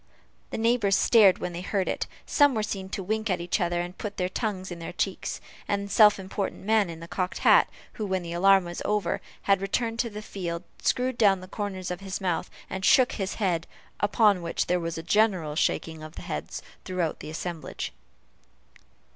The neighbors stared when they heard it; some were seen to wink at each other, and put their tongues in their cheeks; and the self important man in the cocked hat, who, when the alarm was over, had returned to the field, screwed down the corners of his mouth, and shook his head upon which there was a general shaking of the head throughout the assemblage.